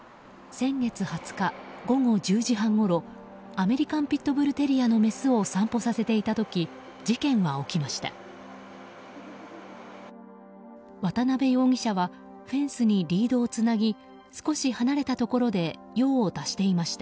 先月２０日午後１０時半ごろアメリカンピットブルテリアのメスを散歩させていた時事件は起きました。